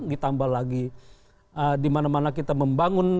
ditambah lagi dimana mana kita membangun